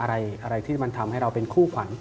อะไรที่มันทำให้เราเป็นคู่ขวัญ